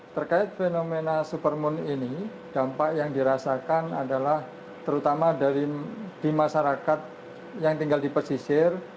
terkait fenomena supermoon ini dampak yang dirasakan adalah terutama di masyarakat yang tinggal di pesisir